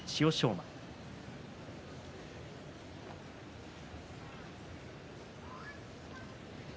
馬ですね。